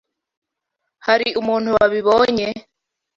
Hari umuntu wabibonye?